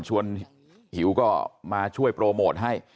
หิวก็มาช่วยโปรโมทให้